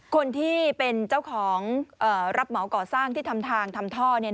คนที่เป็นเจ้าของรับเหมาก่อสร้างที่ทำทางทำท่อ